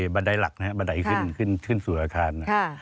บันไดหลักบันไดขึ้นสู่อาคาร